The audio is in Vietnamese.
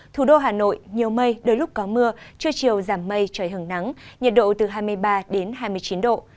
thủ đô hà nội nhiều mây đôi lúc có mưa trưa chiều giảm mây trời hừng nắng nhiệt độ từ hai mươi ba đến hai mươi chín độ